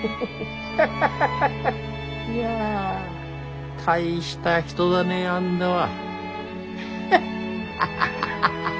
ハハハハいや大した人だねあんだは。